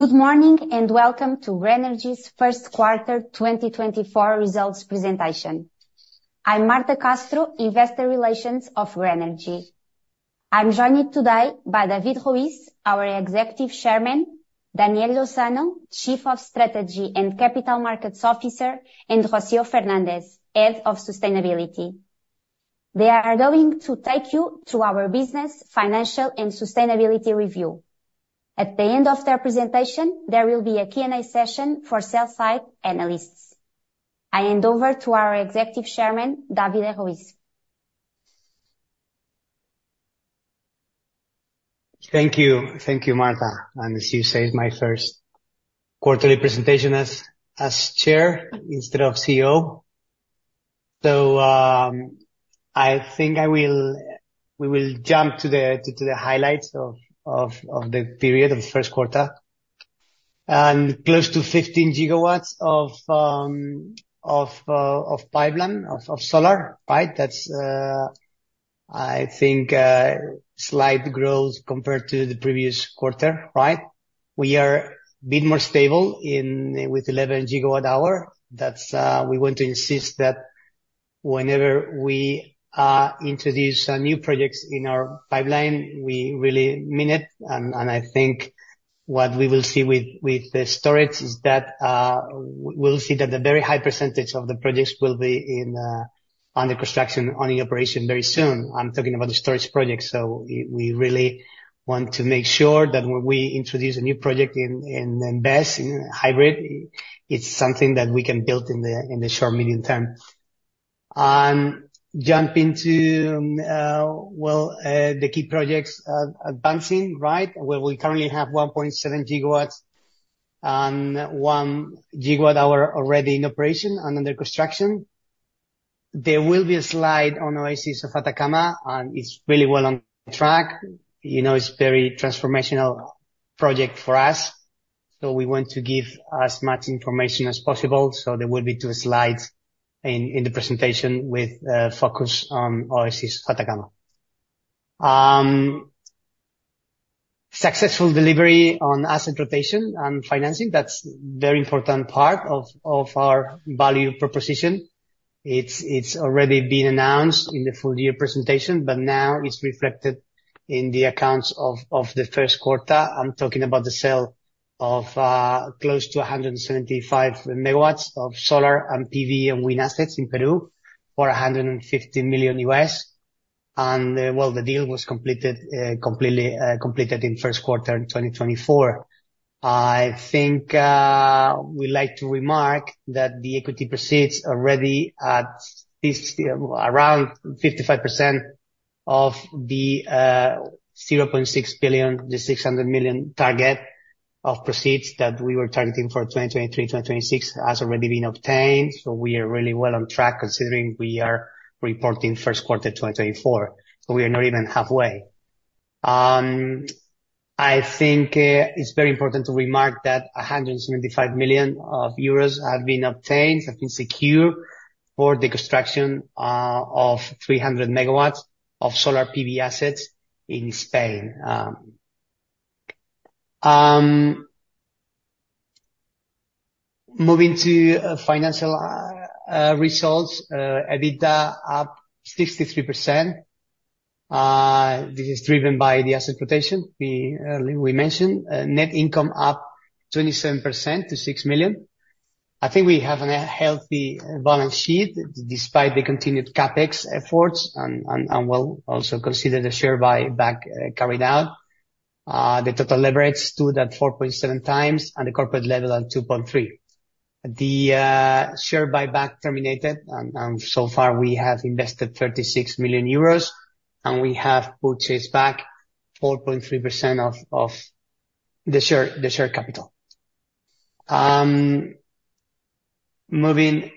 Good morning, and welcome to Grenergy's first quarter 2024 results presentation. I'm Marta Castro, investor relations of Grenergy. I'm joined today by David Ruiz, our Executive Chairman, Daniel Lozano, Chief of Strategy and Capital Markets Officer, and Rocío Fernández, Head of Sustainability. They are going to take you through our business, financial, and sustainability review. At the end of their presentation, there will be a Q&A session for sell-side analysts. I hand over to our Executive Chairman, David Ruiz. Thank you. Thank you, Marta. As you say, it's my first quarterly presentation as chair instead of CEO. So, I think we will jump to the highlights of the period of the first quarter. Close to 15 GW of pipeline of solar, right? That's, I think, slight growth compared to the previous quarter, right? We are a bit more stable with 11 GWh. That's, we want to insist that whenever we introduce new projects in our pipeline, we really mean it. I think what we will see with the storage is that we'll see that a very high percentage of the projects will be under construction, on the operation very soon. I'm talking about the storage project, so we really want to make sure that when we introduce a new project in investment in hybrid, it's something that we can build in the short medium term. Jump into the key projects advancing, right? Where we currently have 1.7 GW and 1 GWh already in operation and under construction. There will be a slide on Oasis de Atacama, and it's really well on track. You know, it's very transformational project for us, so we want to give as much information as possible. So there will be 2 slides in the presentation with focus on Oasis de Atacama. Successful delivery on asset rotation and financing, that's very important part of our value proposition. It's already been announced in the full year presentation, but now it's reflected in the accounts of the first quarter. I'm talking about the sale of close to 175 MW of solar and PV and wind assets in Peru for $150 million. And well, the deal was completed completely completed in first quarter in 2024. I think we like to remark that the EQT proceeds already at least around 55% of the 0.6 billion, the 600 million target of proceeds that we were targeting for 2023-2026, has already been obtained. So we are really well on track, considering we are reporting first quarter 2024, so we are not even halfway. I think it's very important to remark that 175 million euros have been obtained, have been secured for the construction of 300 MW of solar PV assets in Spain. Moving to financial results, EBITDA up 63%. This is driven by the asset rotation we earlier mentioned. Net income up 27% to 6 million. I think we have a healthy balance sheet, despite the continued CapEx efforts and we'll also consider the share buyback carried out. The total leverage stood at 4.7 times, and the corporate level at 2.3. The share buyback terminated, and so far we have invested 36 million euros, and we have purchased back 4.3% of the share capital. Moving...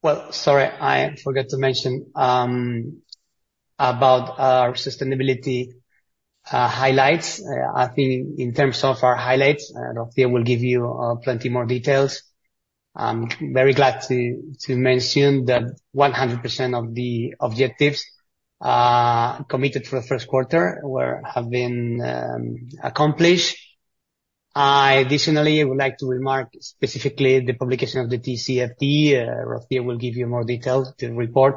Well, sorry, I forgot to mention about our sustainability highlights. I think in terms of our highlights, and Rocío will give you plenty more details. I'm very glad to mention that 100% of the objectives committed for the first quarter have been accomplished. I additionally would like to remark specifically the publication of the TCFD. Rocío will give you more details, the report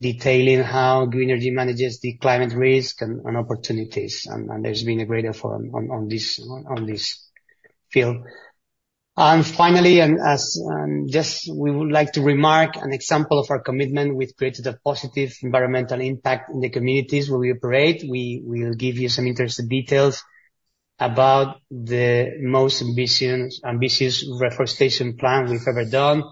detailing how Grenergy manages the climate risk and opportunities. And there's been a great effort on this field. And finally, just we would like to remark an example of our commitment, we've created a positive environmental impact in the communities where we operate. We will give you some interesting details about the most ambitious reforestation plan we've ever done.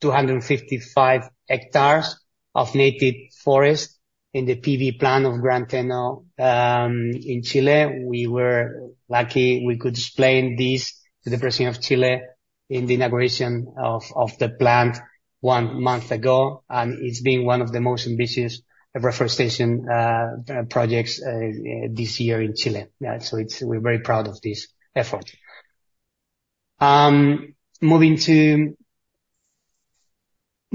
255 hectares of native forest in the PV plant of Gran Teno, in Chile. We were lucky we could explain this to the president of Chile in the inauguration of the plant one month ago, and it's been one of the most ambitious reforestation projects this year in Chile. Yeah, so it's, we're very proud of this effort. Moving to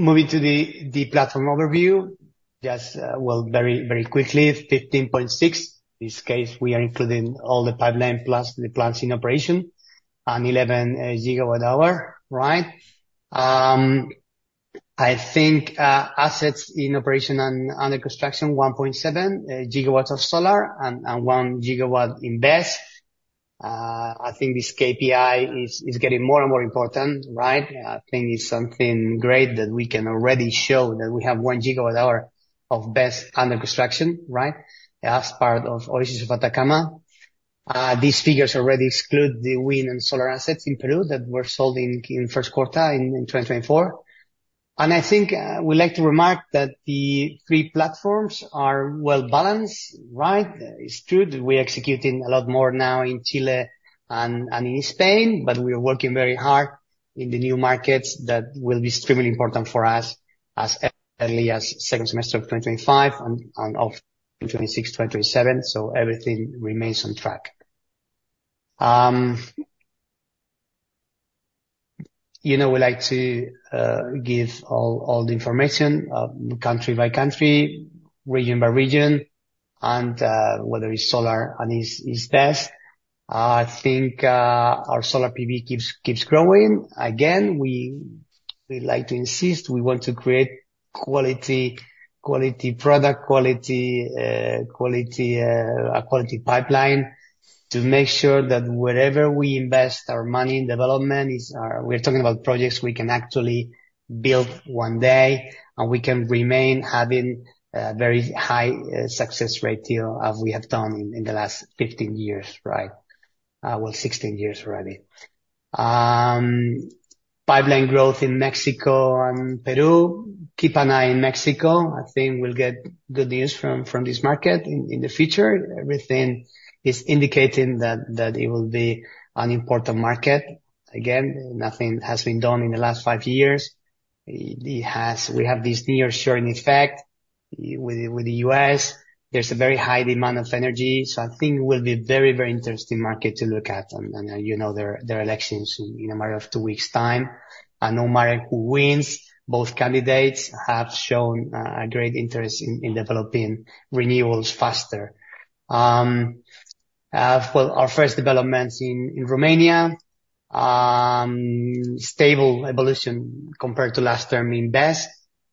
the platform overview, just, well, very, very quickly, 15.6. This case, we are including all the pipeline plus the plants in operation, and 11 GWh, right? I think assets in operation and under construction, 1.7 GW of solar and 1 GW in BESS. I think this KPI is getting more and more important, right? I think it's something great that we can already show that we have 1 GWh of BESS under construction, right? As part of Oasis de Atacama. These figures already exclude the wind and solar assets in Peru, that were sold in first quarter in 2024. And I think, we like to remark that the three platforms are well-balanced, right? It's true that we're executing a lot more now in Chile and in Spain, but we are working very hard in the new markets that will be extremely important for us as early as second semester of 2025 and of 2026, 2027. So everything remains on track. You know, we like to give all the information, country by country, region by region, and whether it's solar and BESS. I think, our solar PV keeps growing. Again, we like to insist, we want to create quality product, a quality pipeline, to make sure that wherever we invest our money in development is, we're talking about projects we can actually build one day, and we can remain having very high success ratio as we have done in the last 15 years, right? Well, 16 years already. Pipeline growth in Mexico and Peru. Keep an eye in Mexico. I think we'll get good news from this market in the future. Everything is indicating that it will be an important market. Again, nothing has been done in the last 5 years. It has—We have this nearshoring effect with the U.S. There's a very high demand of energy, so I think it will be a very, very interesting market to look at. And you know, there are elections in a matter of two weeks' time, and no matter who wins, both candidates have shown a great interest in developing renewables faster. Well, our first developments in Romania, stable evolution compared to last term in BESS,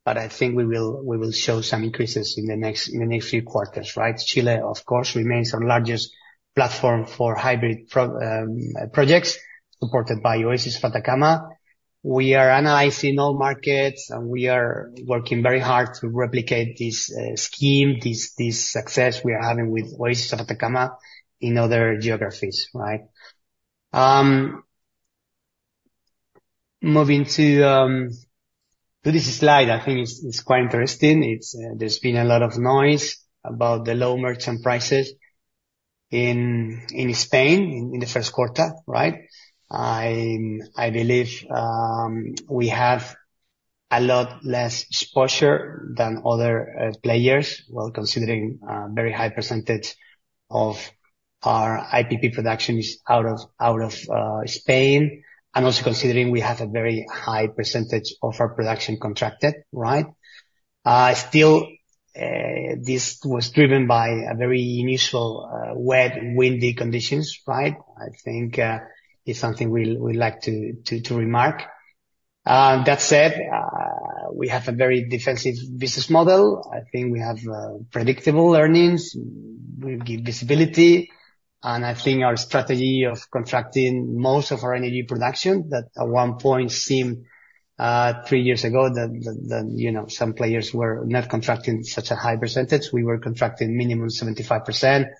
but I think we will show some increases in the next few quarters, right? Chile, of course, remains our largest platform for hybrid projects, supported by Oasis de Atacama. We are analyzing all markets, and we are working very hard to replicate this scheme, this success we are having with Oasis de Atacama in other geographies, right? Moving to this slide, I think it's quite interesting. It's, there's been a lot of noise about the low merchant prices in Spain in the first quarter, right? I believe we have a lot less exposure than other players, well, considering very high percentage of our IPP production is out of Spain, and also considering we have a very high percentage of our production contracted, right? Still, this was driven by a very initial wet, windy conditions, right? I think it's something we'd like to remark. That said, we have a very defensive business model. I think we have predictable earnings. We give visibility, and I think our strategy of contracting most of our energy production, that at one point seemed three years ago, that you know, some players were not contracting such a high percentage. We were contracting minimum 75%.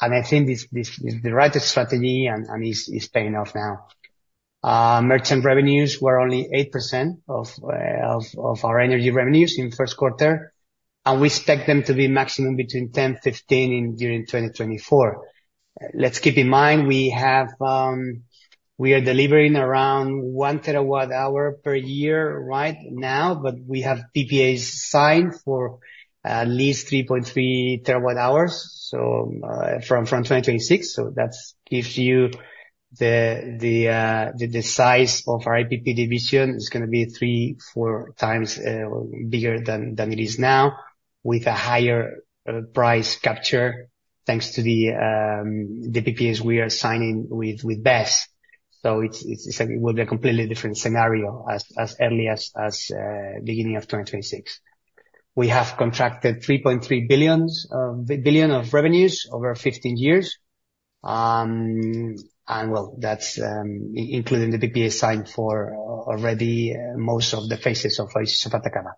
And I think this is the right strategy and it's paying off now. Merchant revenues were only 8% of our energy revenues in first quarter, and we expect them to be maximum between 10%-15% during 2024. Let's keep in mind, we have... We are delivering around 1 TWh per year right now, but we have PPAs signed for at least 3.3 TWh, so from 2026. So that gives you the size of our IPP division is gonna be 3-4 times bigger than it is now, with a higher price capture, thanks to the PPAs we are signing with BESS. So it's a completely different scenario as early as the beginning of 2026. We have contracted 3.3 billion of revenues over 15 years, and well, that's including the PPA signed for already most of the phases of Oasis de Atacama.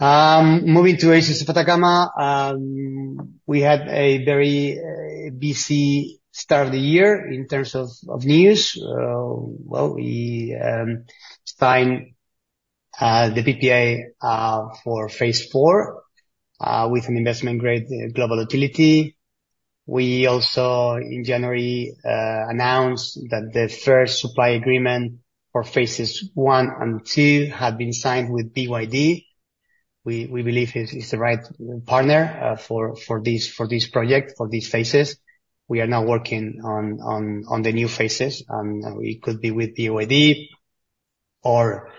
Moving to Oasis de Atacama, we had a very busy start of the year in terms of news. Well, we signed the PPA for phase 4 with an investment-grade global utility. We also, in January, announced that the first supply agreement for phases 1 and 2 had been signed with BYD. We believe is the right partner for this project, for these phases. We are now working on the new phases, and it could be with the BYD or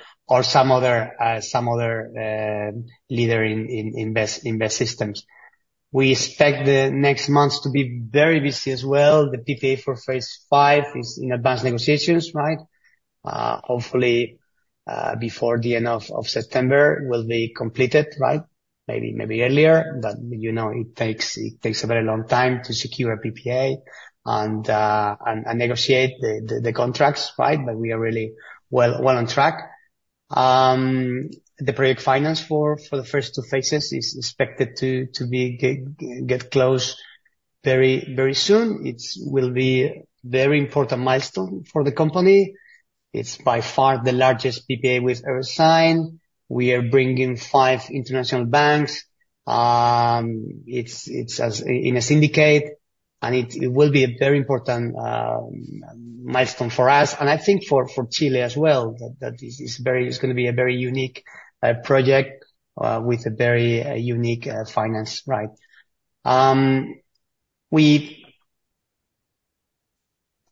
some other leader in BESS systems. We expect the next months to be very busy as well. The PPA for phase five is in advanced negotiations, right? Hopefully, before the end of September, it will be completed, right? Maybe earlier, but, you know, it takes a very long time to secure a PPA and negotiate the contracts, right? But we are really well on track. The project finance for the first two phases is expected to be closed very soon. It will be a very important milestone for the company. It's by far the largest PPA we've ever signed. We are bringing five international banks. It's in a syndicate, and it will be a very important milestone for us, and I think for Chile as well, that is very. It's gonna be a very unique project with a very unique finance, right?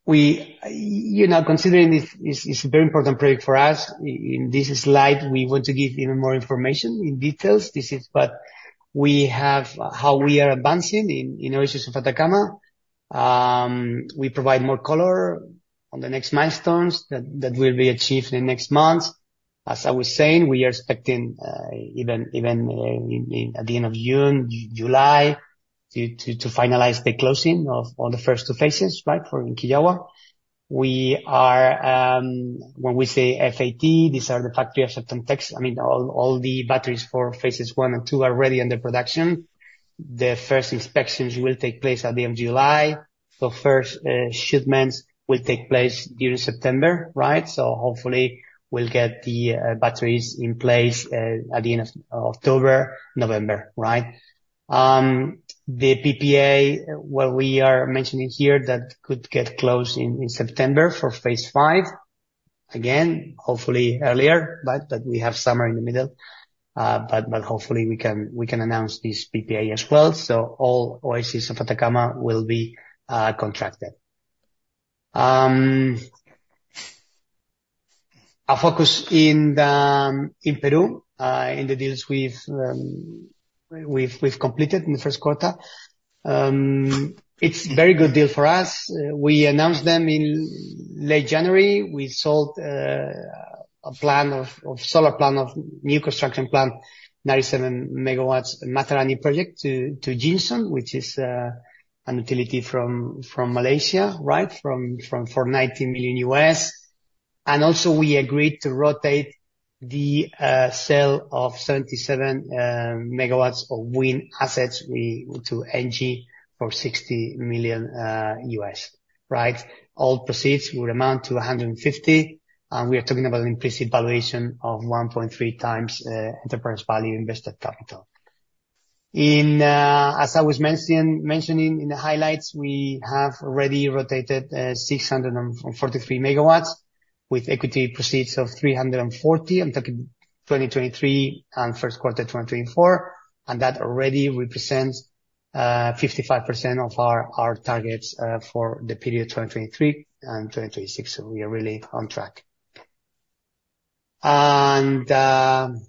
You know, considering this is a very important project for us, in this slide, we want to give even more information in detail. This is what we have, how we are advancing in Oasis de Atacama. We provide more color on the next milestones that will be achieved in the next months. As I was saying, we are expecting even at the end of June, July, to finalize the closing of all the first two phases, right, for Quillagua. We are, when we say FAT, these are the Factory Acceptance Tests. I mean, all the batteries for phases one and two are already under production. The first inspections will take place at the end of July. The first shipments will take place during September, right? So hopefully we'll get the batteries in place at the end of October, November, right? The PPA, what we are mentioning here, that could get closed in September for phase five. Again, hopefully earlier, right, but we have summer in the middle. But hopefully we can announce this PPA as well, so all Oasis de Atacama will be contracted. Our focus in Peru, in the deals we've completed in the first quarter, it's very good deal for us. We announced them in late January. We sold a plant of solar plant of new construction plant, 97 MW Matarani project to Yinson, which is a utility from Malaysia, right? For $19 million. And also, we agreed to rotate the sale of 77 MW of wind assets to ENGIE for $60 million, right? All proceeds will amount to $150 million, and we are talking about an increased valuation of 1.3x enterprise value invested capital. In as I was mentioning in the highlights, we have already rotated 643 MW, with EQT proceeds of 340 million. I'm talking 2023 and first quarter 2024, and that already represents 55% of our, our targets for the period 2023 and 2026. So we are really on track. Well,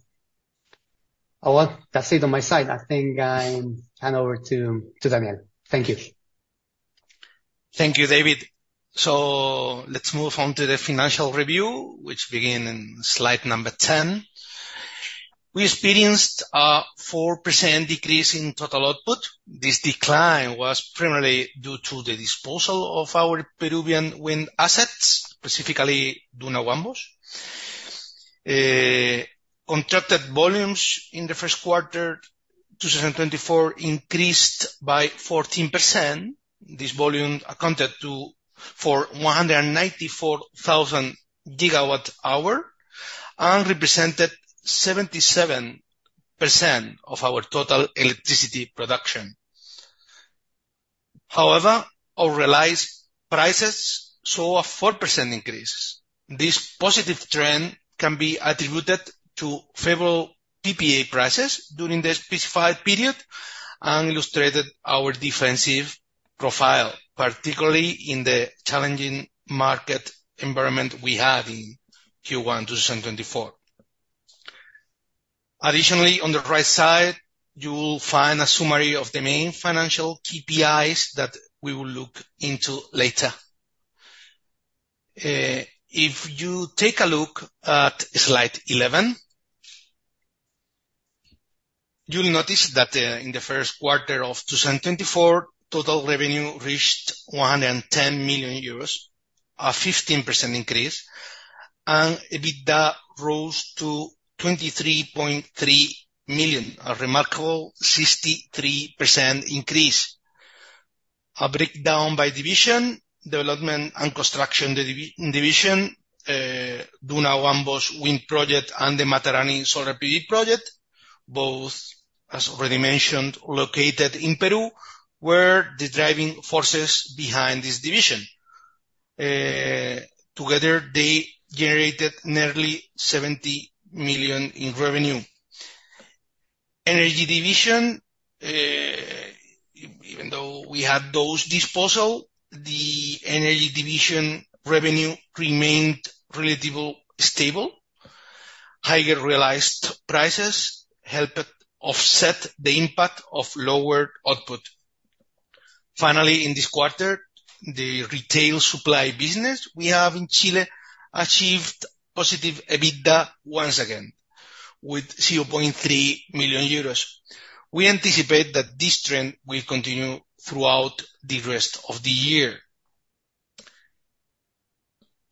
that's it on my side. I think I hand over to, to Daniel. Thank you. Thank you, David. Let's move on to the financial review, which begins in slide number 10. We experienced a 4% decrease in total output. This decline was primarily due to the disposal of our Peruvian wind assets, specifically Duna Huambos. Contracted volumes in the first quarter 2024 increased by 14%. This volume accounted for 194,000 GWh and represented 77% of our total electricity production. However, our realized prices saw a 4% increase. This positive trend can be attributed to favorable PPA prices during the specified period and illustrated our defensive profile, particularly in the challenging market environment we had in Q1 2024. Additionally, on the right side, you will find a summary of the main financial KPIs that we will look into later. If you take a look at slide 11, you'll notice that, in the first quarter of 2024, total revenue reached 110 million euros, a 15% increase, and EBITDA rose to 23.3 million, a remarkable 63% increase. A breakdown by division: development and construction division. Duna Huambos Wind project and the Matarani Solar PV project, both, as already mentioned, located in Peru, were the driving forces behind this division. Together, they generated nearly 70 million in revenue. Energy division, even though we had those disposals, the energy division revenue remained relatively stable. Higher realized prices helped offset the impact of lower output. Finally, in this quarter, the retail supply business we have in Chile achieved positive EBITDA once again, with 0.3 million euros. We anticipate that this trend will continue throughout the rest of the year.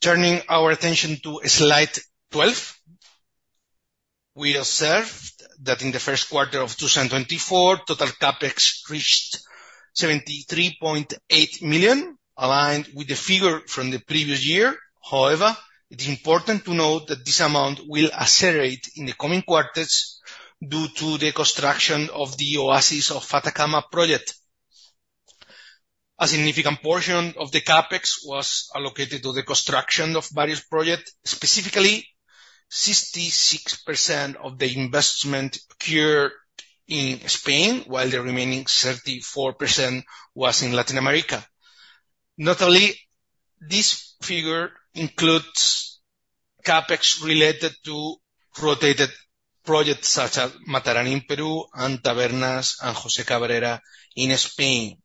Turning our attention to slide 12, we observed that in the first quarter of 2024, total CapEx reached 73.8 million, aligned with the figure from the previous year. However, it is important to note that this amount will accelerate in the coming quarters due to the construction of the Oasis de Atacama project. A significant portion of the CapEx was allocated to the construction of various projects. Specifically, 66% of the investment occurred in Spain, while the remaining 34% was in Latin America. Not only, this figure includes CapEx related to rotated projects such as Matarani in Peru and Tabernas and José Cabrera in Spain.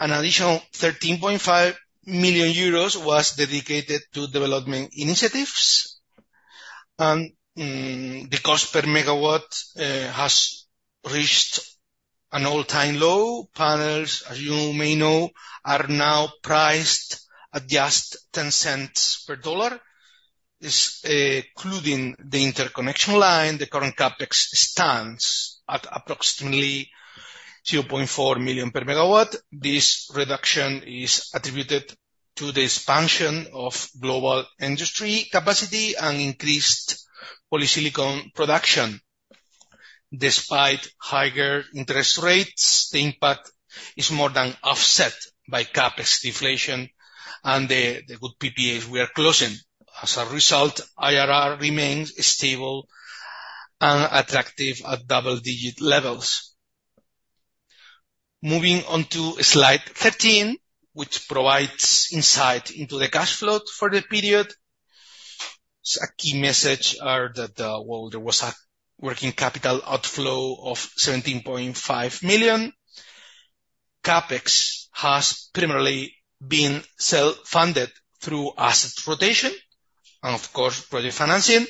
An additional 13.5 million euros was dedicated to development initiatives, and the cost per megawatt has reached an all-time low. Panels, as you may know, are now priced at just 0.10 per watt. This, including the interconnection line, the current CapEx stands at approximately 0.4 million per megawatt. This reduction is attributed to the expansion of global industry capacity and increased polysilicon production. Despite higher interest rates, the impact is more than offset by CapEx deflation and the good PPAs we are closing. As a result, IRR remains stable and attractive at double-digit levels. Moving on to slide 13, which provides insight into the cash flow for the period. So a key message is that, well, there was a working capital outflow of 17.5 million. CapEx has primarily been self-funded through asset rotation and, of course, project financing.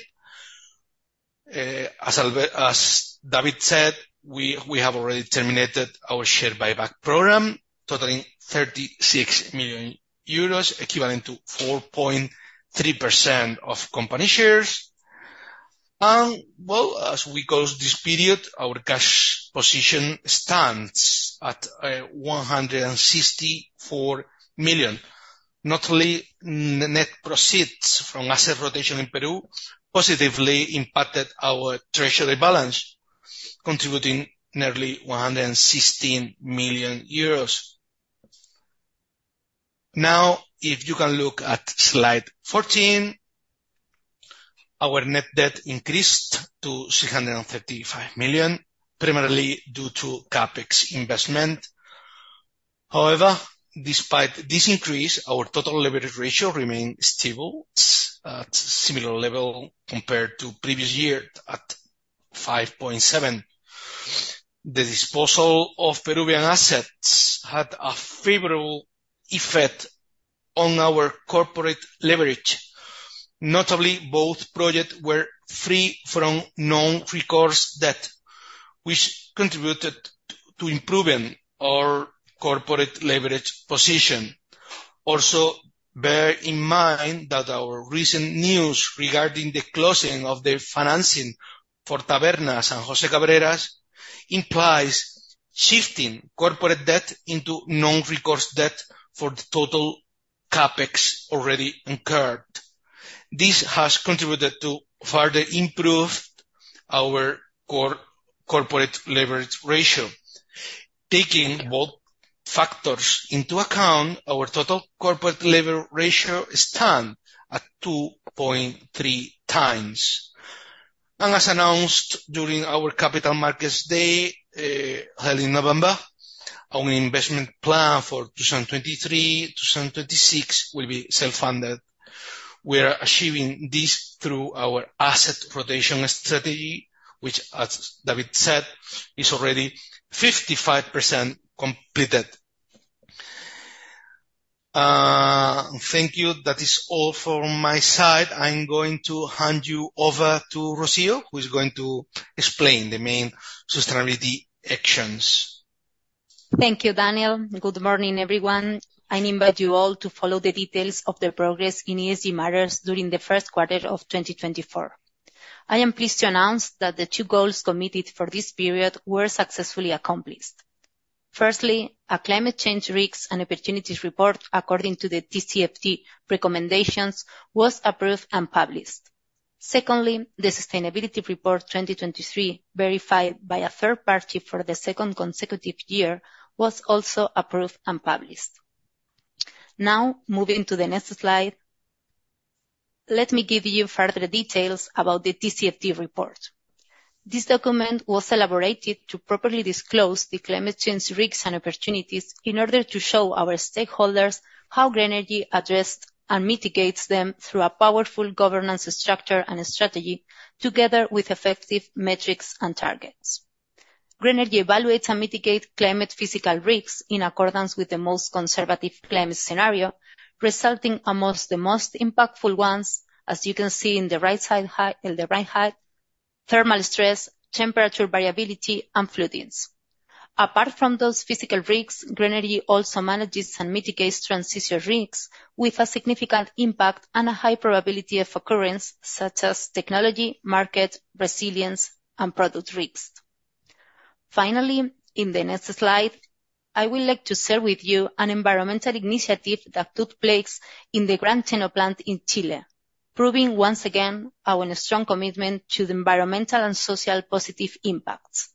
As David said, we have already terminated our share buyback program, totaling 36 million euros, equivalent to 4.3% of company shares. Well, as we close this period, our cash position stands at 164 million. Not only the net proceeds from asset rotation in Peru positively impacted our treasury balance, contributing nearly EUR 116 million. Now, if you can look at slide 14, our net debt increased to 635 million, primarily due to CapEx investment. However, despite this increase, our total leverage ratio remains stable at similar level compared to previous year, at 5.7. The disposal of Peruvian assets had a favorable effect on our corporate leverage. Notably, both projects were free from non-recourse debt, which contributed to improving our corporate leverage position. Also, bear in mind that our recent news regarding the closing of the financing for Tabernas and José Cabrera implies shifting corporate debt into non-recourse debt for the total CapEx already incurred. This has contributed to further improve our core corporate leverage ratio. Taking both factors into account, our total corporate leverage ratio stand at 2.3x. As announced during our Capital Markets Day, held in November, our investment plan for 2023 to 2026 will be self-funded. We are achieving this through our asset rotation strategy, which, as David said, is already 55% completed. Thank you. That is all from my side. I'm going to hand you over to Rocío, who is going to explain the main sustainability actions. Thank you, Daniel. Good morning, everyone. I invite you all to follow the details of the progress in ESG matters during the first quarter of 2024. I am pleased to announce that the two goals committed for this period were successfully accomplished. Firstly, a climate change risks and opportunities report according to the TCFD recommendations was approved and published. Secondly, the sustainability report 2023, verified by a third party for the second consecutive year, was also approved and published. Now, moving to the next slide, let me give you further details about the TCFD report. This document was elaborated to properly disclose the climate change risks and opportunities in order to show our stakeholders how Grenergy addressed and mitigates them through a powerful governance structure and strategy, together with effective metrics and targets. Grenergy evaluates and mitigates climate physical risks in accordance with the most conservative climate scenario, resulting amongst the most impactful ones, as you can see in the right side high, on the right height, thermal stress, temperature variability, and floodings. Apart from those physical risks, Grenergy also manages and mitigates transition risks with a significant impact and a high probability of occurrence, such as technology, market, resilience, and product risks. Finally, in the next slide, I would like to share with you an environmental initiative that took place in the Gran Teno plant in Chile, proving once again our strong commitment to the environmental and social positive impacts.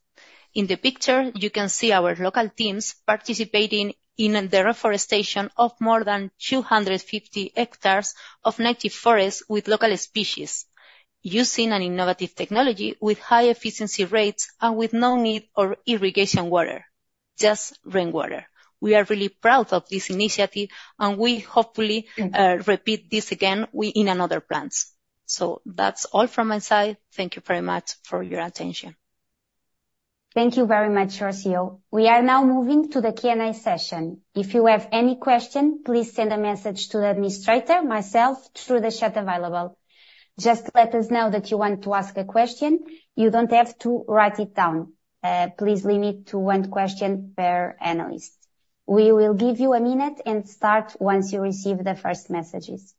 In the picture, you can see our local teams participating in the reforestation of more than 250 hectares of native forest with local species, using an innovative technology with high efficiency rates and with no need for irrigation water, just rainwater. We are really proud of this initiative, and we hopefully repeat this again in another plants. So that's all from my side. Thank you very much for your attention. Thank you very much, Rocío. We are now moving to the Q&A session. If you have any question, please send a message to the administrator, myself, through the chat available. Just let us know that you want to ask a question. You don't have to write it down. Please limit to one question per analyst. We will give you a minute and start once you receive the first messages.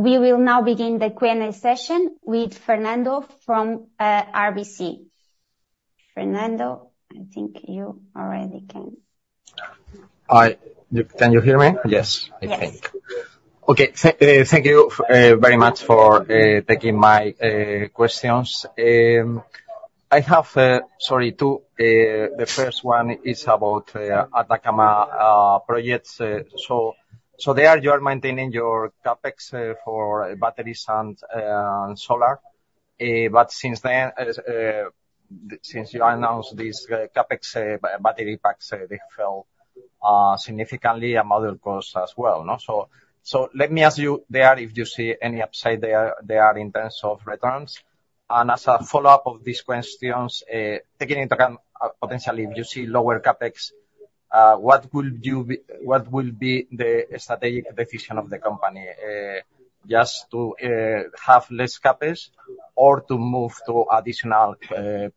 We will now begin the Q&A session with Fernando from RBC. Fernando, I think you already can. Hi, can you hear me? Yes, I think. Yes. Okay. Thank you very much for taking my questions. I have, sorry, two. The first one is about Atacama projects. So, there you are maintaining your CapEx for batteries and solar. But since then, since you announced this CapEx, battery packs, they fell significantly, and other costs as well, no? So let me ask you there, if you see any upside there in terms of returns? And as a follow-up of these questions, taking into account potentially, if you see lower CapEx, what will you be... What will be the strategic decision of the company? Just to have less CapEx, or to move to additional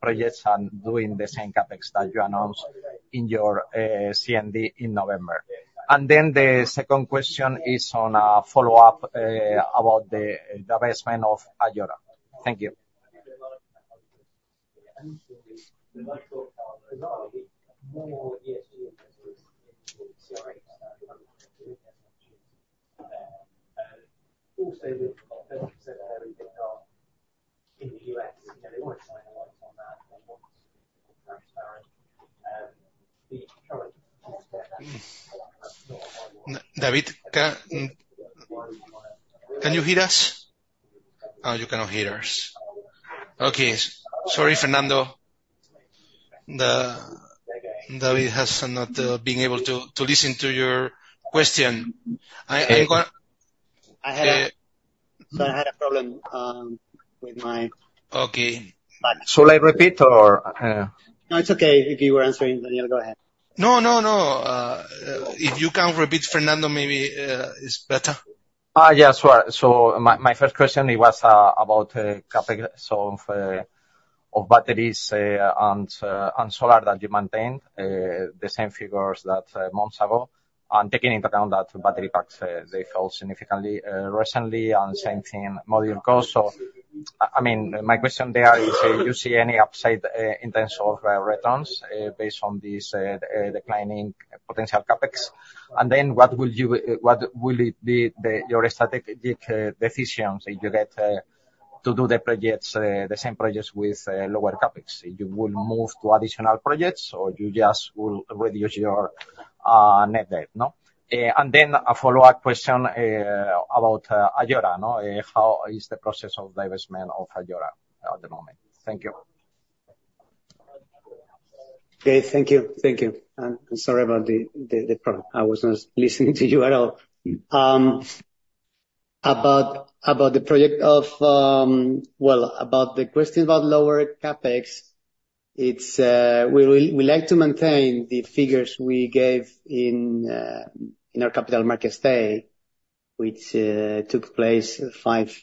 projects and doing the same CapEx that you announced in your COD in November? The second question is on a follow-up about the divestment of Ayora. Thank you. David, can you hear us? Oh, you cannot hear us. Okay. Sorry, Fernando. David has not been able to listen to your question. I I had a problem with my- Okay. Sorry. Shall I repeat, or? No, it's okay. If you were answering, Daniel, go ahead. No, no, no. If you can repeat, Fernando, maybe it's better. Yes, sure. So my first question it was about CapEx of batteries and solar that you maintained the same figures that months ago. And taking into account that battery packs they fell significantly recently, and same thing, module cost. So, I mean, my question there is, you see any upside in terms of returns based on these declining potential CapEx? And then what will you, what will it be, the your strategic decisions if you get to do the projects the same projects with lower CapEx? You will move to additional projects, or you just will reduce your net debt, no? And then a follow-up question about Ayora, no. How is the process of divestment of Ayora at the moment? Thank you.... Okay, thank you. Thank you. And I'm sorry about the problem. I was not listening to you at all. About the question about lower CapEx, it's we like to maintain the figures we gave in our capital markets day, which took place 5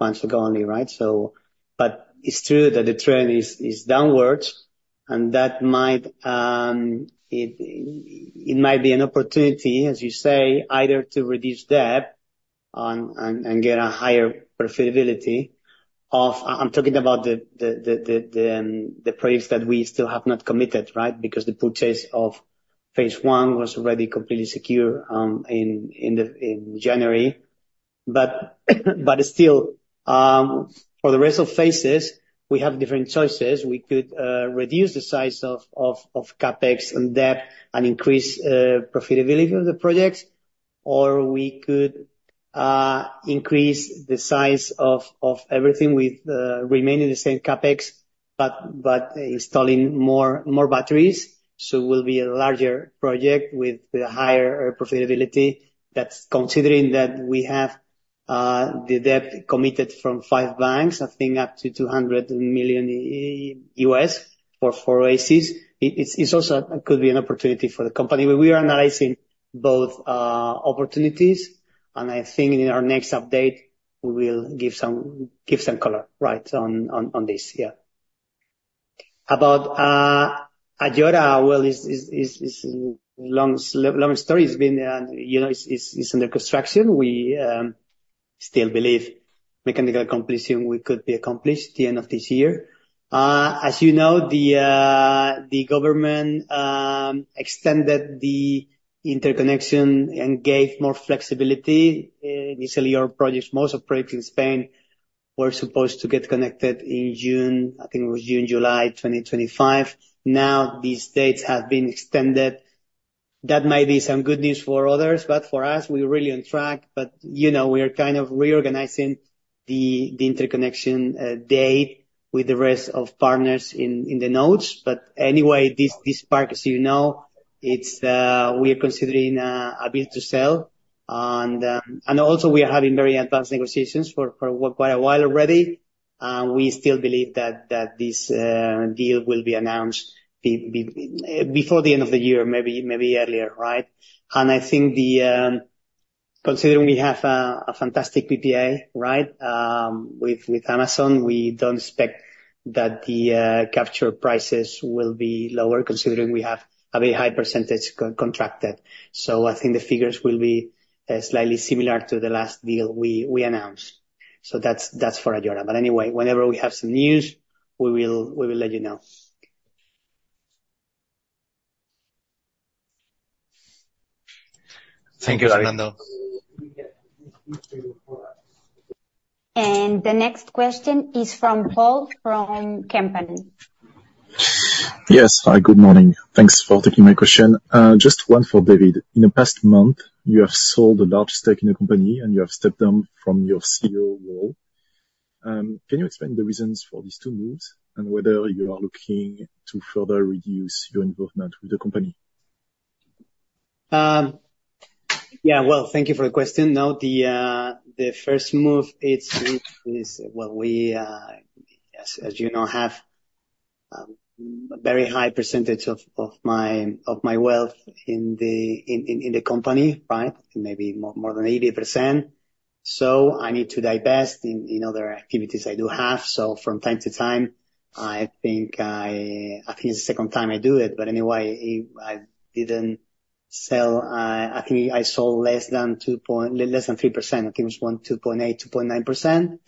months ago only, right? So but it's true that the trend is downwards, and that might be an opportunity, as you say, either to reduce debt and get a higher profitability of... I'm talking about the projects that we still have not committed, right? Because the purchase of phase one was already completely secure in January. But still, for the rest of phases, we have different choices. We could reduce the size of CapEx and debt and increase profitability of the projects, or we could increase the size of everything with remaining the same CapEx, but installing more batteries. So will be a larger project with the higher profitability. That's considering that we have the debt committed from 5 banks, I think up to $200 million for 4 ACs. It also could be an opportunity for the company. We are analyzing both opportunities, and I think in our next update, we will give some color, right, on this. Yeah. About Ayora, well, is long story. It's been, you know, it's under construction. We still believe mechanical completion, we could be accomplished the end of this year. As you know, the government extended the interconnection and gave more flexibility. Initially, our projects, most projects in Spain, were supposed to get connected in June, I think it was June, July 2025. Now, these dates have been extended. That may be some good news for others, but for us, we're really on track. But, you know, we are kind of reorganizing the interconnection date with the rest of partners in the nodes. But anyway, this park, as you know, it's we are considering a build to sell. And also we are having very advanced negotiations for quite a while already, and we still believe that this deal will be announced before the end of the year, maybe, maybe earlier, right? I think considering we have a fantastic PPA, right, with Amazon, we don't expect that the capture prices will be lower, considering we have a very high percentage co-contracted. So I think the figures will be slightly similar to the last deal we announced. So that's for Ayora. But anyway, whenever we have some news, we will let you know. Thank you, Fernando. The next question is from Paul, from company. Yes. Hi, good morning. Thanks for taking my question. Just one for David. In the past month, you have sold a large stake in the company, and you have stepped down from your CEO role. Can you explain the reasons for these two moves and whether you are looking to further reduce your involvement with the company? Yeah, well, thank you for the question. No, the first move, it's well, we, as you know, have very high percentage of my wealth in the company, right? Maybe more than 80%. So I need to divest in other activities I do have. So from time to time, I think it's the second time I do it, but anyway, it- I didn't sell, I think I sold less than 2 point... Less than 3%. I think it was 1, 2.8, 2.9%,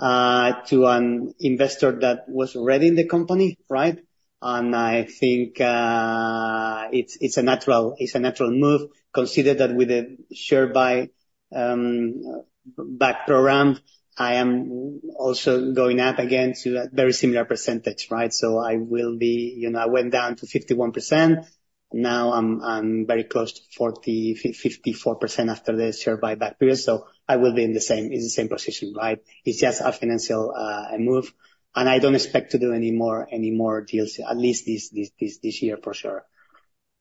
to an investor that was already in the company, right? And I think it's a natural move, considering that with a share buyback program, I am also going up again to a very similar percentage, right? So I will be. You know, I went down to 51%. Now, I'm very close to 54% after this share buyback period, so I will be in the same position, right? It's just a financial move, and I don't expect to do any more deals, at least this year, for sure.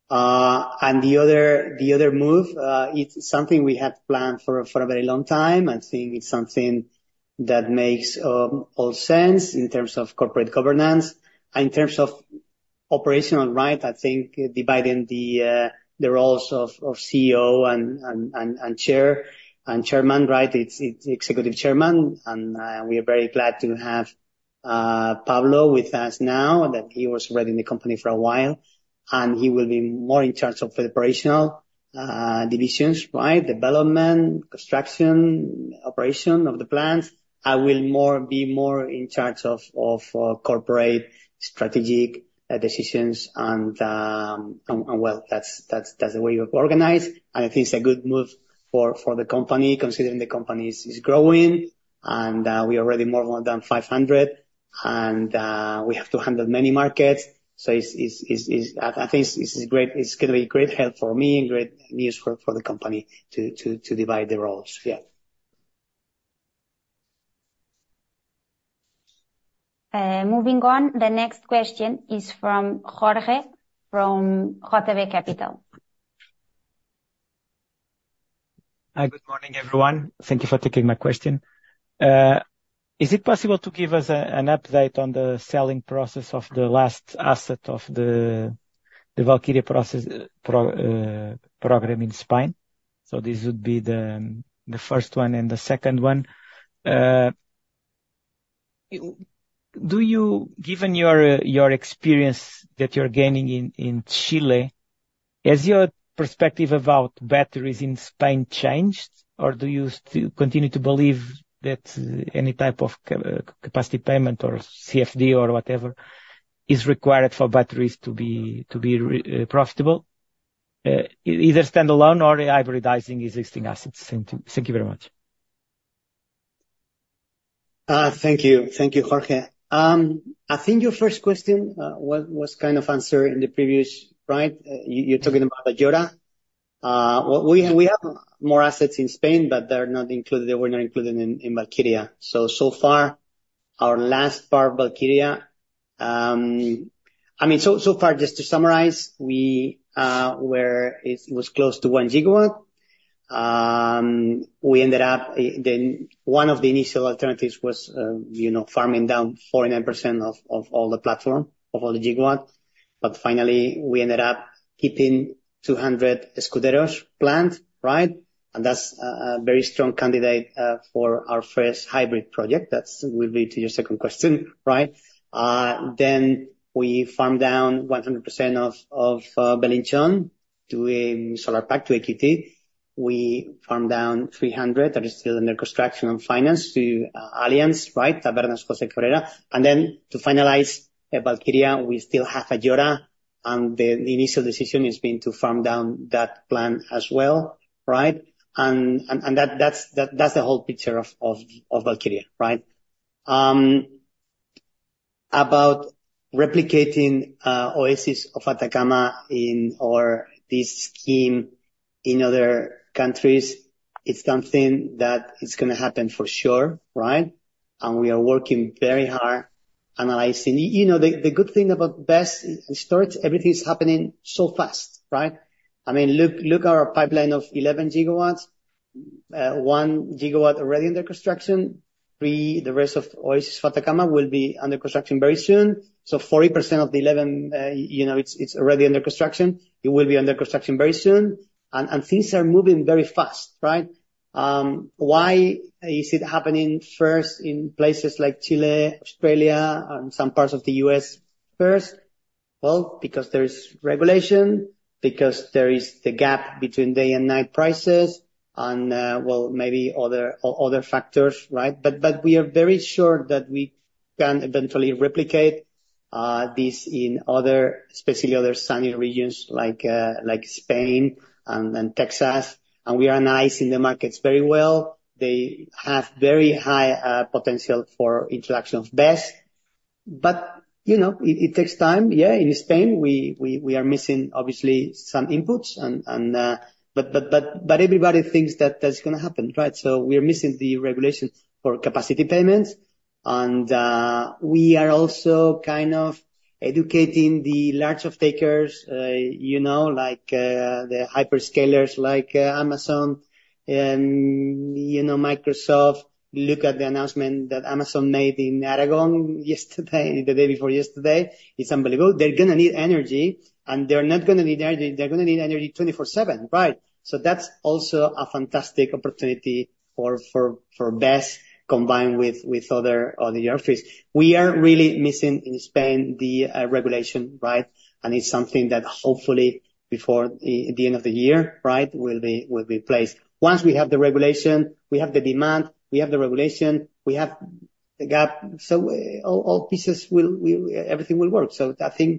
And the other move, it's something we had planned for a very long time. I think it's something that makes all sense in terms of corporate governance. In terms of operational, right, I think dividing the roles of CEO and chair and chairman, right, it's executive chairman, and we are very glad to have Pablo with us now, that he was already in the company for a while, and he will be more in charge of the operational divisions, right? Development, construction, operation of the plants. I will be more in charge of corporate strategic decisions. Well, that's the way we've organized, and I think it's a good move for the company, considering the company is growing, and we are already more than 500, and we have to handle many markets. So, I think it's great—it's gonna be a great help for me and great news for the company to divide the roles. Yeah.... moving on, the next question is from Jorge, from JB Capital. Hi, good morning, everyone. Thank you for taking my question. Is it possible to give us an update on the selling process of the last asset of the Valkyrie program in Spain? So this would be the first one, and the second one, do you-- given your experience that you're gaining in Chile, has your perspective about batteries in Spain changed? Or do you still continue to believe that any type of capacity payment or CFD or whatever is required for batteries to be profitable, either standalone or hybridizing existing assets? Thank you. Thank you very much. Thank you. Thank you, Jorge. I think your first question was kind of answered in the previous, right? You're talking about Ayora. We have more assets in Spain, but they're not included, they were not included in Valkyrie. So far, our last part of Valkyrie... I mean, so far, just to summarize, we were-- it was close to 1 GW. We ended up, then one of the initial alternatives was, you know, farming down 49% of all the platform, of all the gigawatt. But finally, we ended up keeping 200 Escuderos plant, right? And that's a very strong candidate for our first hybrid project. That will be to your second question, right? Then we farmed down 100% of Belinchón to Solarpack, to EQT. We farmed down 300, that is still under construction and finance to Allianz, right? Tabernas, José Cabrera. And then to finalize Valkyrie, we still have Ayora, and the initial decision has been to farm down that plant as well, right? And that, that's the whole picture of Valkyrie, right? About replicating Oasis de Atacama in, or this scheme in other countries, it's something that is gonna happen for sure, right? And we are working very hard analyzing... You know, the good thing about BESS storage, everything is happening so fast, right? I mean, look, look our pipeline of 11 GW, 1 GW already under construction. 3, the rest of Oasis de Atacama will be under construction very soon. So 40% of the 11, you know, it's already under construction. It will be under construction very soon. And things are moving very fast, right? Why is it happening first in places like Chile, Australia, and some parts of the U.S. first? Well, because there's regulation, because there is the gap between day and night prices, and, well, maybe other factors, right? But we are very sure that we can eventually replicate this in other, especially other sunny regions like Spain and Texas. And we analyze in the markets very well. They have very high potential for introduction of BESS. But, you know, it takes time. Yeah, in Spain, we are missing obviously some inputs and, but everybody thinks that that's gonna happen, right? So we are missing the regulation for capacity payments, and we are also kind of educating the large off-takers, you know, like the hyperscalers, like Amazon and, you know, Microsoft. Look at the announcement that Amazon made in Aragon yesterday, the day before yesterday. It's unbelievable. They're gonna need energy, and they're not gonna need energy, they're gonna need energy 24/7, right? So that's also a fantastic opportunity for BESS, combined with other use cases. We are really missing in Spain the regulation, right? And it's something that hopefully before the end of the year, right, will be in place. Once we have the regulation, we have the demand, we have the regulation, we have the gap, so all pieces will... Everything will work. I think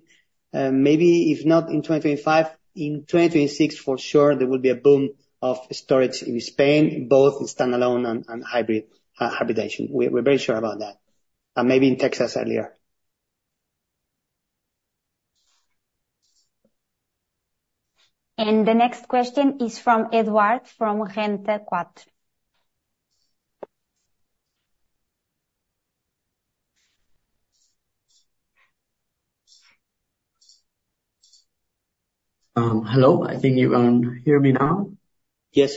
maybe if not in 2025, in 2026 for sure, there will be a boom of storage in Spain, both in standalone and hybrid hybridization. We're very sure about that. Maybe in Texas earlier. The next question is from Eduardo from Renta 4. Hello, I think you hear me now? Yes.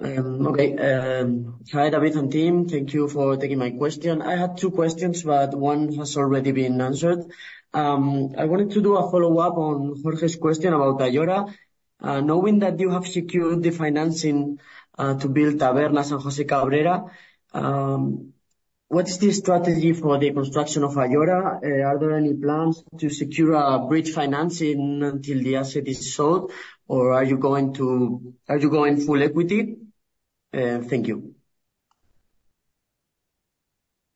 Okay. Hi, David and team, thank you for taking my question. I had two questions, but one has already been answered. I wanted to do a follow-up on Jorge's question about Ayora. Knowing that you have secured the financing to build Tabernas and José Cabrera, what is the strategy for the construction of Ayora? Are there any plans to secure a bridge financing until the asset is sold, or are you going to— are you going full EQT? Thank you.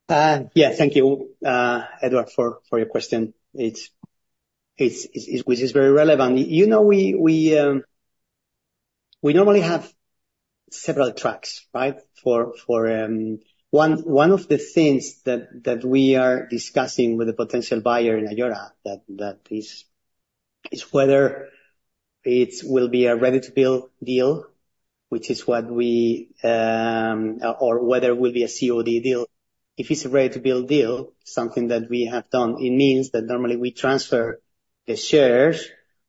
Yeah, thank you, Eduardo, for your question. It's which is very relevant. You know, we normally have several tracks, right? For one of the things that we are discussing with the potential buyer in Ayora, that is. It's whether it will be a ready-to-build deal, which is what we or whether it will be a COD deal. If it's a ready-to-build deal, something that we have done, it means that normally we transfer the shares,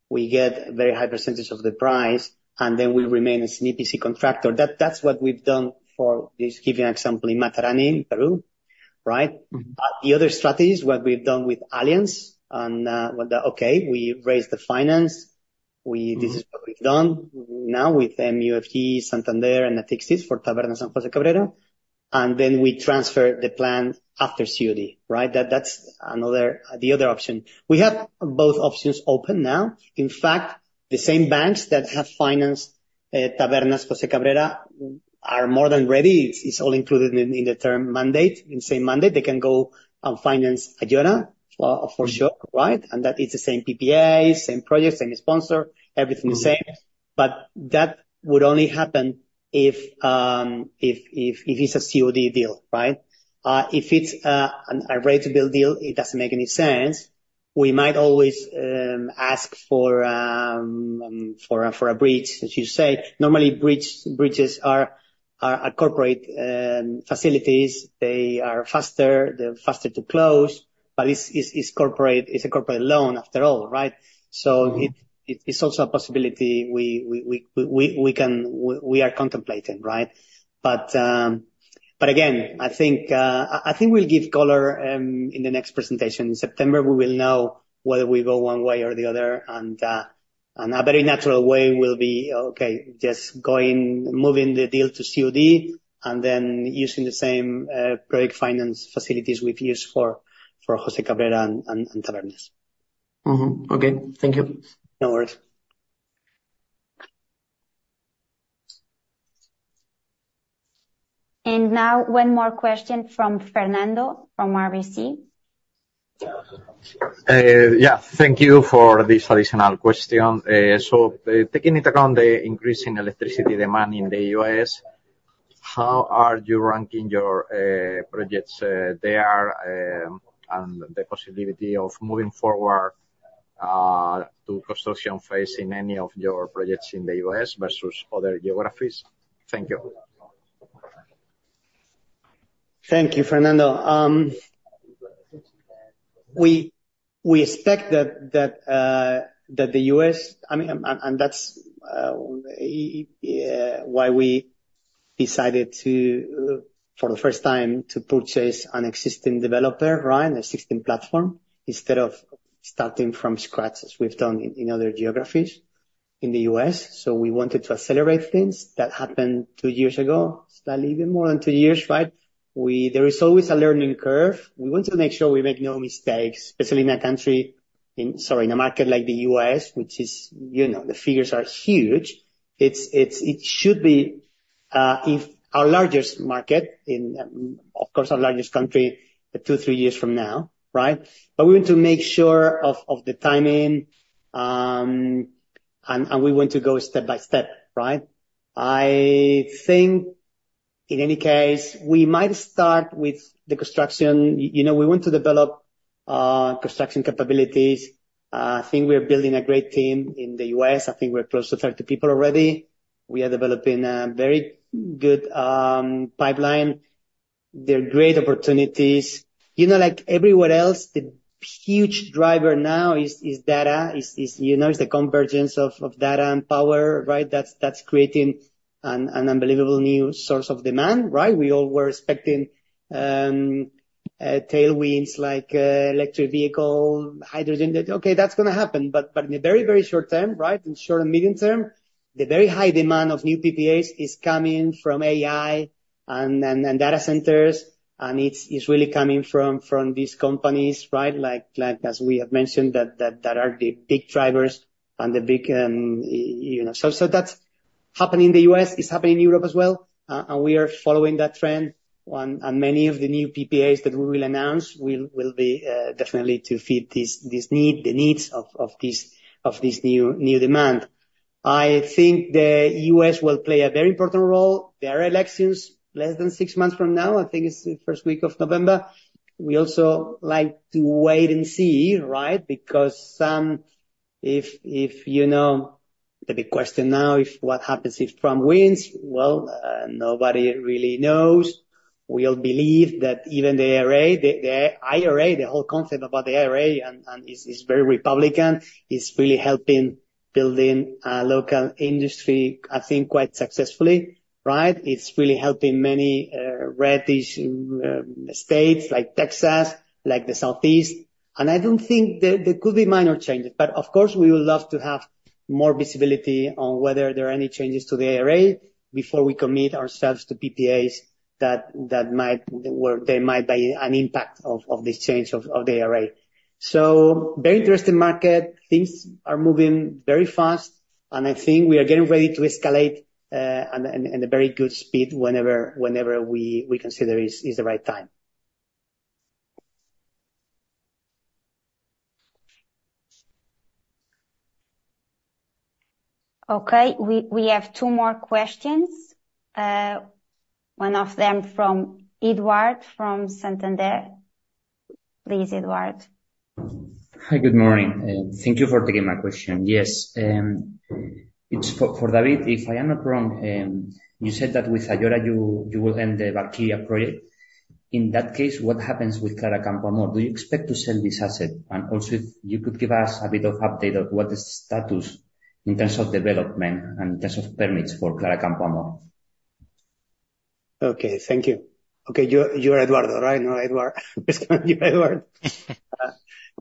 we get a very high percentage of the price, and then we remain as an EPC contractor. That's what we've done for, just giving an example, in Matarani, Peru, right? Mm-hmm. The other strategy is what we've done with Allianz, and, well, okay, we raised the finance. We- Mm-hmm. This is what we've done now with MUFG, Santander, and Natixis for Tabernas and José Cabrera, and then we transfer the plan after COD, right? That, that's another, the other option. We have both options open now. In fact, the same banks that have financed, Tabernas, José Cabrera, are more than ready. It's, it's all included in, in the term mandate. In the same mandate, they can go and finance Ayora, for sure, right? And that is the same PPA, same project, same sponsor, everything the same. Mm-hmm. But that would only happen if it's a COD deal, right? If it's a ready-to-build deal, it doesn't make any sense. We might always ask for a bridge, as you say. Normally, bridges are a corporate facilities. They are faster, they're faster to close, but it's corporate, it's a corporate loan after all, right? Mm-hmm. So it's also a possibility we can—we are contemplating, right? But again, I think we'll give color in the next presentation. In September, we will know whether we go one way or the other, and a very natural way will be, okay, just going, moving the deal to COD and then using the same project finance facilities we've used for José Cabrera and Tabernas. Mm-hmm. Okay, thank you. No worries. Now, one more question from Fernando García, from RBC. Yeah, thank you for this additional question. So, taking into account the increase in electricity demand in the U.S., how are you ranking your projects there, and the possibility of moving forward to construction phase in any of your projects in the U.S. versus other geographies? Thank you. Thank you, Fernando. We expect that the U.S.... I mean, and that's why we decided to, for the first time, to purchase an existing developer, right, an existing platform, instead of starting from scratch, as we've done in other geographies in the U.S. So we wanted to accelerate things. That happened two years ago, slightly even more than two years, right? There is always a learning curve. We want to make sure we make no mistakes, especially in a country, sorry, in a market like the U.S., which is, you know, the figures are huge. It should be our largest market, of course, our largest country, two, three years from now, right? But we want to make sure of the timing, and we want to go step by step, right? I think, in any case, we might start with the construction. You know, we want to develop construction capabilities. I think we are building a great team in the U.S. I think we're close to 30 people already. We are developing a very good pipeline. There are great opportunities. You know, like everywhere else, the huge driver now is data, you know, is the convergence of data and power, right? That's creating an unbelievable new source of demand, right? We all were expecting tailwinds like electric vehicle, hydrogen. Okay, that's gonna happen, but in the very, very short term, right, in short and medium term, the very high demand of new PPAs is coming from AI and data centers, and it's really coming from these companies, right? Like, as we have mentioned, that are the big drivers and the big, you know... So that's happening in the U.S., it's happening in Europe as well, and we are following that trend. And many of the new PPAs that we will announce will be definitely to fit this need, the needs of this new demand. I think the U.S. will play a very important role. There are elections less than six months from now, I think it's the first week of November. We also like to wait and see, right? Because some, if you know, the big question now, if what happens if Trump wins? Well, nobody really knows. We all believe that even the IRA, the IRA, the whole concept about the IRA and is very Republican, is really helping building local industry, I think, quite successfully, right? It's really helping many reddish states like Texas, like the Southeast. And I don't think there could be minor changes, but of course, we would love to have more visibility on whether there are any changes to the IRA before we commit ourselves to PPAs that might, where there might be an impact of this change of the IRA. So very interesting market. Things are moving very fast, and I think we are getting ready to escalate at a very good speed whenever we consider is the right time.... Okay, we have two more questions, one of them from Eduardo from Santander. Please, Eduardo. Hi, good morning, and thank you for taking my question. Yes, it's for David. If I am not wrong, you said that with Ayora, you will end the Valkyrie project. In that case, what happens with Clara Campoamor? Do you expect to sell this asset? And also, if you could give us a bit of update of what is the status in terms of development and in terms of permits for Clara Campoamor. Okay, thank you. Okay, you're Eduardo, right? No, Eduardo. You're Eduardo.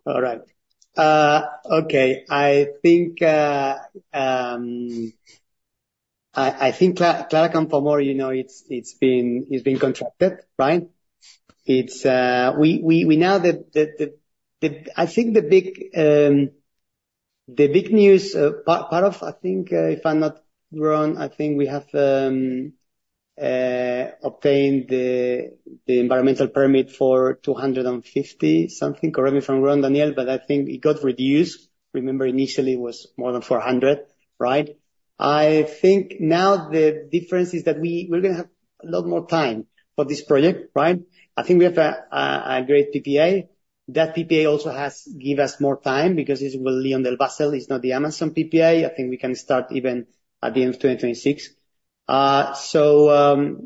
All right. Okay. I think Clara Campoamor, you know, it's been contracted, right? It's... We now know the big news, part of, I think, if I'm not wrong, I think we have obtained the environmental permit for 250-something. Correct me if I'm wrong, Daniel, but I think it got reduced. Remember, initially it was more than 400, right? I think now the difference is that we're gonna have a lot more time for this project, right? I think we have a great PPA. That PPA also has given us more time because it's with LyondellBasell, it's not the Amazon PPA. I think we can start even at the end of 2026. So,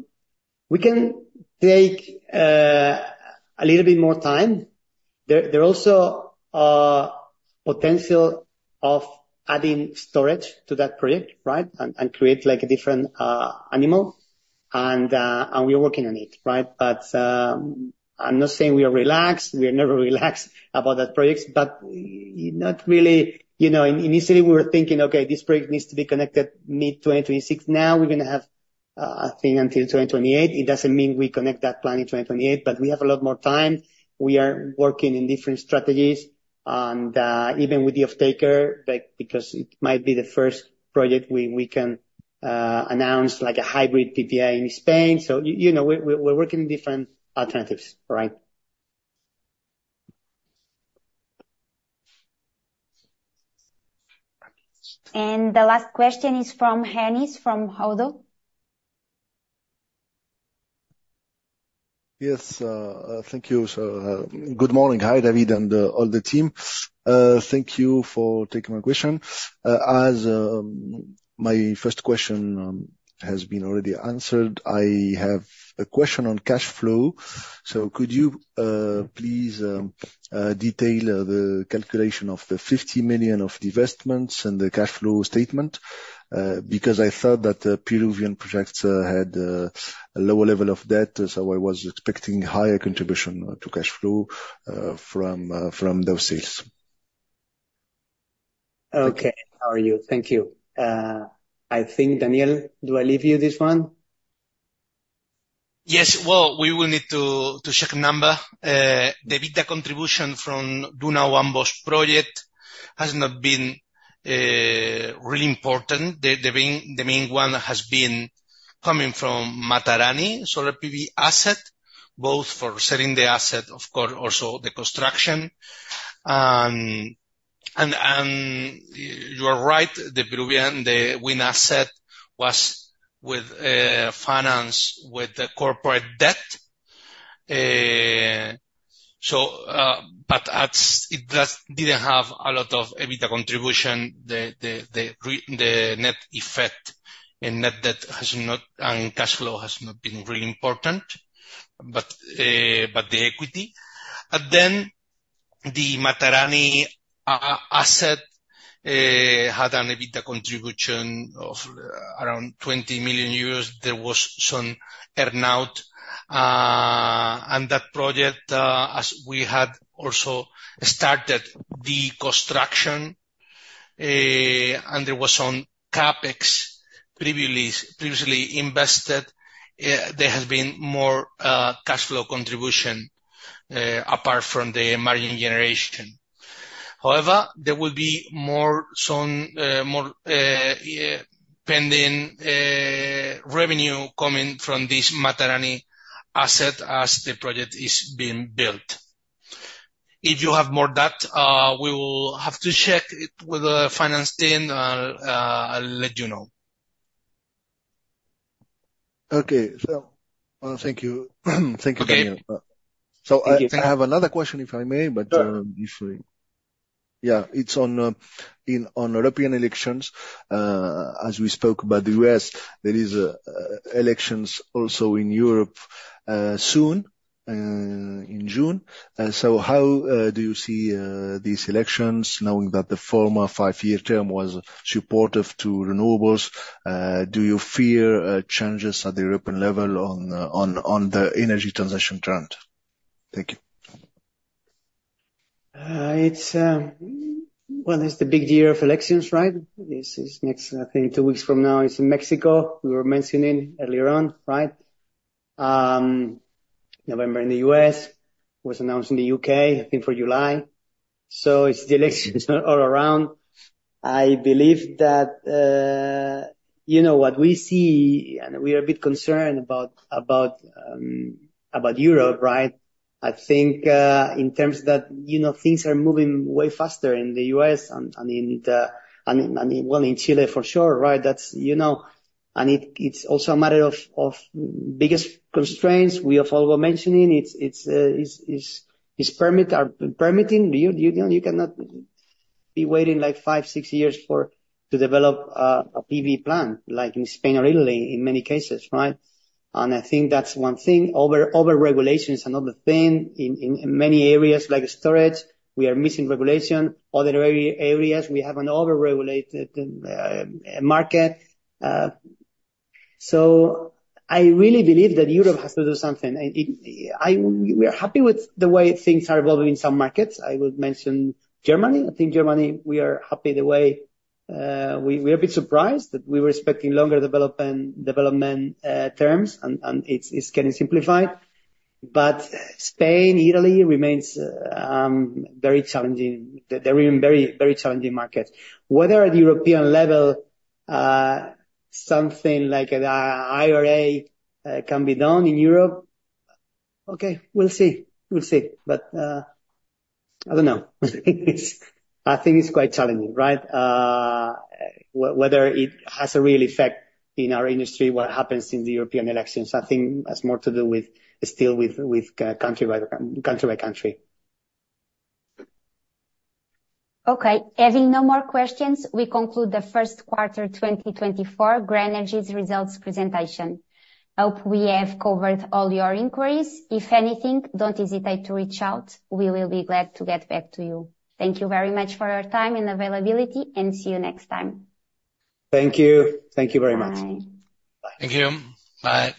we can take a little bit more time. There are also potential of adding storage to that project, right? And create, like, a different animal. And we are working on it, right? But I'm not saying we are relaxed. We are never relaxed about that projects, but not really. You know, initially, we were thinking, "Okay, this project needs to be connected mid-2026." Now, we're gonna have, I think, until 2028. It doesn't mean we connect that plan in 2028, but we have a lot more time. We are working in different strategies, and even with the offtaker, like, because it might be the first project we can announce, like, a hybrid PPA in Spain. So you know, we're working different alternatives, right? The last question is from Anis, from ODDO. Yes, thank you, sir. Good morning. Hi, David and all the team. Thank you for taking my question. As my first question has been already answered, I have a question on cash flow. So could you please detail the calculation of the 50 million of divestments and the cash flow statement? Because I thought that the Peruvian projects had a lower level of debt, so I was expecting higher contribution to cash flow from those sales. Okay. How are you? Thank you. I think, Daniel, do I leave you this one? Yes, well, we will need to check a number. The EBITDA contribution from Duna Huambos project has not been really important. The main one has been coming from Matarani Solar PV asset, both for selling the asset, of course, also the construction. And you are right, the Peruvian wind asset was with finance with the corporate debt. So, but as it just didn't have a lot of EBITDA contribution, the net effect and net debt has not, and cash flow has not been really important, but the EQT. And then the Matarani asset had an EBITDA contribution of around 20 million euros. There was some earn-out, and that project, as we had also started the construction, and there was some CapEx previously, previously invested, there has been more, cash flow contribution, apart from the margin generation. However, there will be more, some, more, pending, revenue coming from this Matarani asset as the project is being built. If you have more debt, we will have to check it with the finance team, and I'll, I'll let you know. Okay, so, thank you. Thank you, Daniel. Okay. So I- Thank you. I have another question, if I may, but- Sure. Yeah, it's on European elections. As we spoke about the U.S., there is elections also in Europe, soon, in June. So how do you see these elections, knowing that the former five-year term was supportive to renewables? Do you fear changes at the European level on the energy transition trend? Thank you. Well, it's the big year of elections, right? This is next, I think two weeks from now, it's in Mexico. We were mentioning earlier on, right? November in the U.S., was announced in the U.K., I think for July. So it's the elections all around. I believe that... You know, what we see, and we are a bit concerned about Europe, right? I think, in terms that, you know, things are moving way faster in the U.S., and, I mean, well, in Chile for sure, right? That's, you know, and it, it's also a matter of biggest constraints. We have all been mentioning, it's permitting. You know, you cannot be waiting, like, 5-6 years for to develop a PV plant, like in Spain or Italy in many cases, right? I think that's one thing. Over-regulation is another thing. In many areas like storage, we are missing regulation. Other areas, we have an over-regulated market. So I really believe that Europe has to do something, and we are happy with the way things are evolving in some markets. I would mention Germany. I think Germany, we are happy the way. We are a bit surprised that we were expecting longer development terms, and it's getting simplified. But Spain, Italy remains very challenging. They're even very, very challenging markets. Whether at the European level, something like IRA can be done in Europe, okay, we'll see. We'll see. But, I don't know. It's—I think it's quite challenging, right? Whether it has a real effect in our industry, what happens in the European elections, I think has more to do with, still with, country by country. Okay. Having no more questions, we conclude the first quarter 2024 Grenergy results presentation. Hope we have covered all your inquiries. If anything, don't hesitate to reach out, we will be glad to get back to you. Thank you very much for your time and availability, and see you next time. Thank you. Thank you very much. Bye. Bye. Thank you. Bye.